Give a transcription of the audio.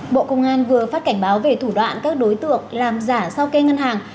bộ công an vừa phát cảnh báo về thủ đoạn các đối tượng làm giả sau kê ngân hàng